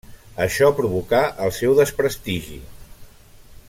Això provocà el seu desprestigi.